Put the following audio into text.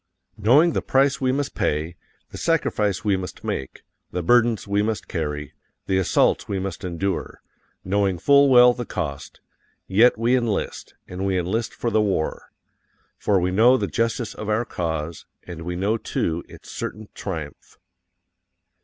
_KNOWING THE PRICE WE MUST PAY, THE SACRIFICE WE MUST MAKE, THE BURDENS WE MUST CARRY, THE ASSAULTS WE MUST ENDURE KNOWING FULL WELL THE COST yet we enlist, and we enlist for the war. FOR WE KNOW THE JUSTICE OF OUR CAUSE, and we know, too, its certain triumph.